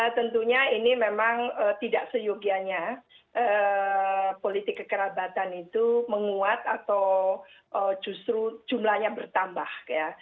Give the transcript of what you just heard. tentunya ini memang tidak seyogianya politik kekerabatan itu menguat atau justru jumlahnya bertambah ya